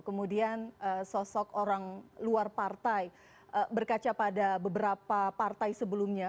kemudian sosok orang luar partai berkaca pada beberapa partai sebelumnya